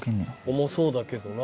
重そうだけどな。